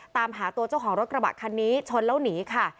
ตามหาตัวเจ้าของรถกระบะคันนี้ชนแล้วหนีค่ะ